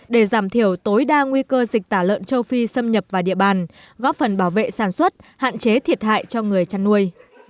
để giảm thiểu tối đa nguy cơ dịch tả lợn châu phi xâm nhập vào địa bàn góp phần bảo vệ sản xuất hạn chế thiệt hại cho người chăn nuôi